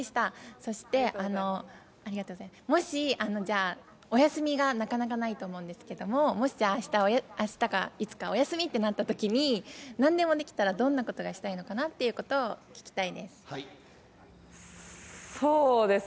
そして、もし、じゃあ、お休みがなかなかないと思うんですけれども、もしじゃあ、あしたかいつか、お休みってなったときに、なんでもできたらどんなことがしたいのかなっていうことを聞きたいです。